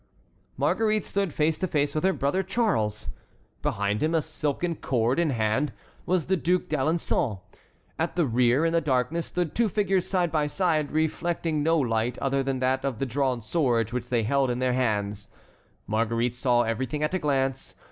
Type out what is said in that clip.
Marguerite stood face to face with her brother Charles. Behind him, a silken cord in hand, was the Duc d'Alençon. At the rear, in the darkness, stood two figures side by side, reflecting no light other than that of the drawn swords which they held in their hands. Marguerite saw everything at a glance.